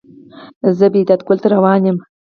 زه بیداد کلی ته روان یم.